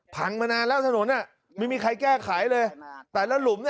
ผังมานานแล้วถนนน่ะไม่มีใครแก้ไขเลยแต่แล้วหลุมน่ะ